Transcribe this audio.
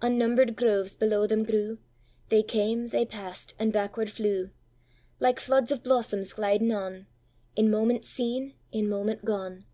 Unnumber'd groves below them grew, They came, they pass'd, and backward flew, Like floods of blossoms gliding on, In moment seen, in moment gone.